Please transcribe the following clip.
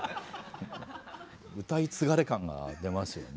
歌い継がれ感が出ますよね。